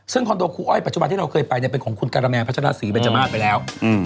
ซึ่งคอนโดครูอ้อยปัจจุบันที่เราเคยไปเป็นของคุณการาแมนพัชราศรีเบนจมาสไปแล้ว